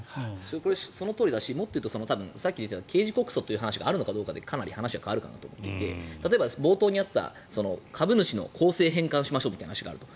そのとおりだしもっと言うとさっき出た刑事告訴という話があるかどうかで話が変わると思っていて例えば冒頭にあった株主の構成を変換しましょうみたいな話があると。